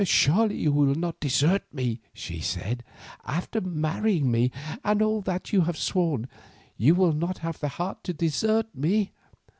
"Surely you will not desert me," she said, "after marrying me and all that you have sworn; you will not have the heart to desert me.